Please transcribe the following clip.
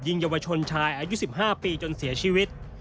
เยาวชนชายอายุ๑๕ปีจนเสียชีวิต